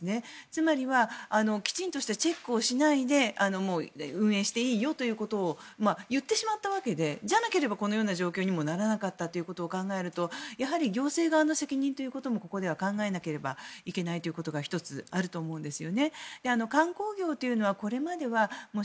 つまりは、きちんとしたチェックをしないで運営していいよということをそうじゃなければこのような状況にもならなかったということを考えると行政側の責任というのもここでは考えなければいけないということが１つあると思うんです。